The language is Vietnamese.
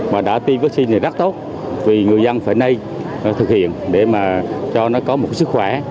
mà đã tiêm vaccine này rất tốt vì người dân phải nên thực hiện để mà cho nó có một sức khỏe